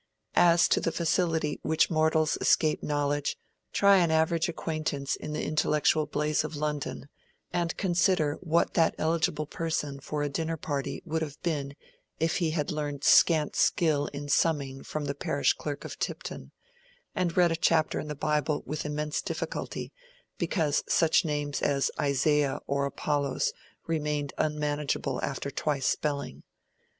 As to the facility with which mortals escape knowledge, try an average acquaintance in the intellectual blaze of London, and consider what that eligible person for a dinner party would have been if he had learned scant skill in "summing" from the parish clerk of Tipton, and read a chapter in the Bible with immense difficulty, because such names as Isaiah or Apollos remained unmanageable after twice spelling.